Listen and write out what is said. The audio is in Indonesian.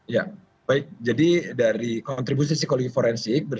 ya baik jadi dari kontribusi psikologi forensik